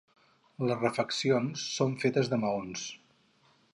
Les refeccions són fetes de maons.